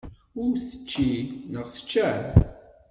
Ur tečči neɣ tečča?